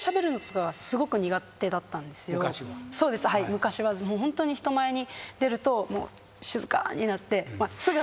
昔はホントに人前に出ると静かになって。